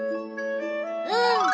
うん！